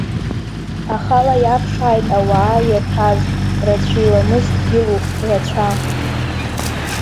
Ахала иаԥшааит ауаа иаҭәаз, рацәа иламыс дгьылуп, рацәа!